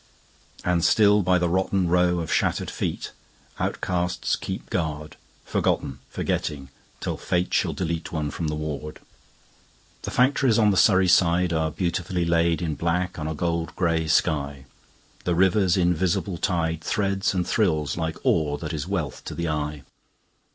And still by the rottenRow of shattered feet, Outcasts keep guard. Forgotten, Forgetting, till fate shall deleteOne from the ward. The factories on the Surrey sideAre beautifully laid in black on a gold grey sky. The river's invisible tideThreads and thrills like ore that is wealth to the eye.